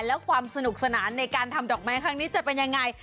แล้วความสนุกสนานในการทำดอกไม้ครั้งนี้จะเป็นยังไง